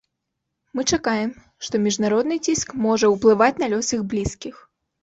Мы чакаем, што міжнародны ціск можа ўплываць на лёс іх блізкіх.